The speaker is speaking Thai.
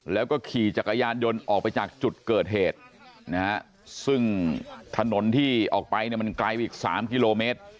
แล้วก็ขี่จักรยานยนต์ออกไปจากจุดเกิดเหตุนะฮะซึ่งถนนที่ออกไปเนี่ยมันไกลไปอีก๓กิโลเมตร